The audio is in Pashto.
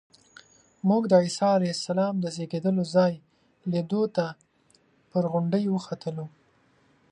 موږ د عیسی علیه السلام د زېږېدلو ځای لیدو ته پر غونډۍ وختلو.